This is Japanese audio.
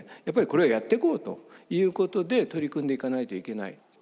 やっぱりこれはやってこうということで取り組んでいかないといけない。